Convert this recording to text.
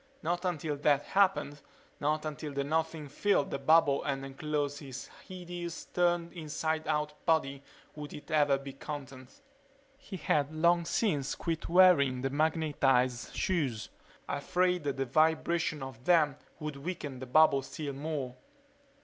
Not until that happened, not until the Nothing filled the bubble and enclosed his hideous, turned inside out body would it ever be content ...He had long since quit wearing the magnetized shoes, afraid the vibration of them would weaken the bubble still more.